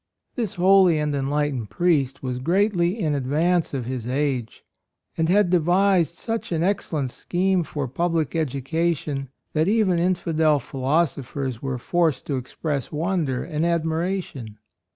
This holy and enlightened priest was greatly in advance of his age, and had devised such an excellent scheme for public education that even infidel philosophers were forced to express wonder and admira tion.